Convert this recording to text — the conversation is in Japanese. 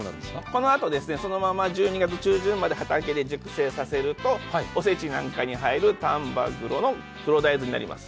このあとそのまま１２月中旬まで畑で熟成させるとお節なんかにはいる丹波の黒豆になります。